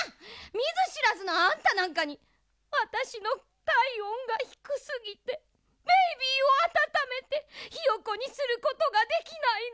みずしらずのあんたなんかに「あたしのたいおんがひくすぎてベイビーをあたためてひよこにすることができないの。